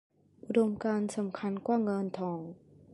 อุดมการณ์สำคัญกว่าเงินทอง